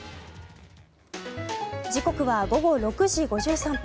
時刻は午後６時５３分。